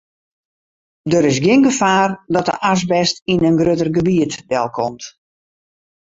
Der is gjin gefaar dat de asbest yn in grutter gebiet delkomt.